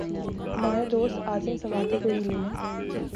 ہمارے دوست اعظم سواتی کو ہی لے لیں۔